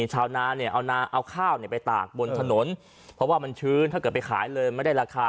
ชาวนาเนี่ยเอาข้าวไปตากบนถนนเพราะว่ามันชื้นถ้าเกิดไปขายเลยไม่ได้ราคา